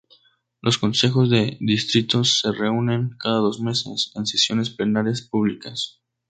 Los Consejos de Distrito se reúnen, cada dos meses, en sesiones plenarias públicas.